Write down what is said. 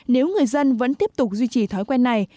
nếu người dân vẫn tiếp tục duy trì thói quen này